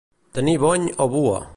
Tenir bony o bua.